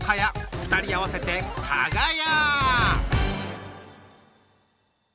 ２人合わせてかが屋。